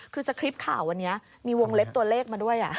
คือสคริปต์ข่าววันนี้มีวงเล็บตัวเลขมาด้วย